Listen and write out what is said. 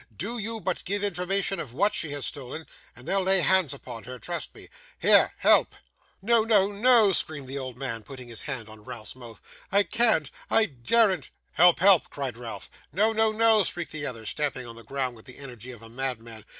Do you but give information of what she has stolen, and they'll lay hands upon her, trust me. Here! Help!' 'No, no, no!' screamed the old man, putting his hand on Ralph's mouth. 'I can't, I daren't.' 'Help! help!' cried Ralph. 'No, no, no!' shrieked the other, stamping on the ground with the energy of a madman.